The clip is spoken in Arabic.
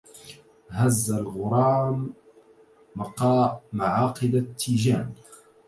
هز الغرام معاقد التيجان